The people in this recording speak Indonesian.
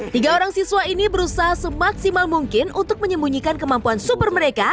tiga orang siswa ini berusaha semaksimal mungkin untuk menyembunyikan kemampuan super mereka